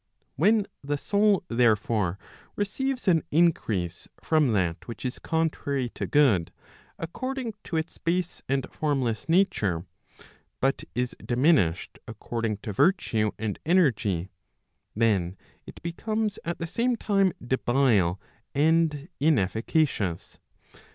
When the soul, therefore, receives an increase from that which is contrary to good, according to its base and formless nature, but is diminished according to virtue and energy, then it becomes at the same time debile and inefficacious.